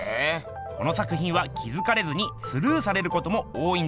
この作ひんは気づかれずにスルーされることも多いんだそうです。